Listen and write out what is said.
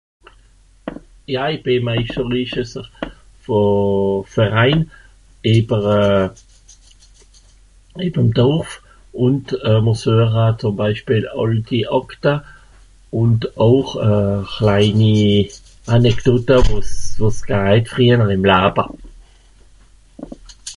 Ja i bì (...) vo Verein ìbber euh... Edendorf. Ùnd mìr Süacha zùm Beispiel àlti Àkta ùn auch euh... rheini Annektotte wo's... wo's (...) frìehjer ìm Laba.